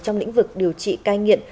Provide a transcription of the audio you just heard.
trong lĩnh vực điều trị cai nghiện